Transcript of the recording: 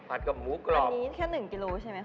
อันนี้แค่๑กิโลกรัมใช่ไหมคะ